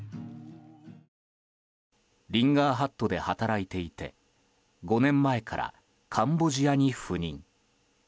リンガーハットで働いていて５年前からカンボジアに赴任。